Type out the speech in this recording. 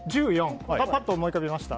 ぱっと思い浮かびました？